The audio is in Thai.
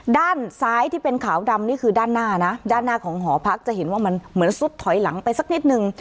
ด้านซ้ายที่เป็นขาวดำนี่คือด้านหน้านะด้านหน้าของหอพักจะเห็นว่ามันเหมือนซุดถอยหลังไปสักนิดนึง